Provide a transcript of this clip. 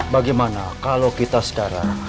bagaimana kalau kita sedara